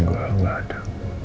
gue gak ada